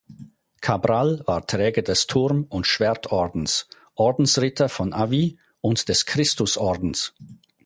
Cabral war Träger des Turm- und Schwertordens, Ordensritter von Avis und des Christusordens.